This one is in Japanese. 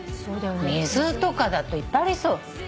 水とかだといっぱいありそう。